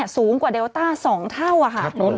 สูงกว่าเดลต้า๒เท่าค่ะ